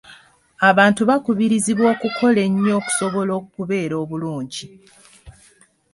Abantu bakubirizibwa okukola ennyo okusobola okubeera obulungi.